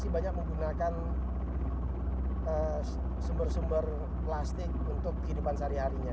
betul masyarakat masih banyak menggunakan sumber sumber plastik untuk kehidupan sehari harinya